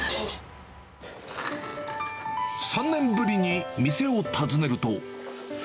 ３年ぶりに店を訪ねると。